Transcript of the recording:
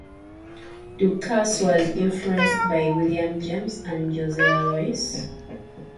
Ducasse was influenced by William James and Josiah Royce.